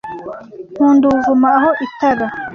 nkunda ubuvumo aho itara